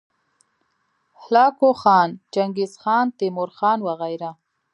هلاکو خان، چنګیزخان، تیمورخان وغیره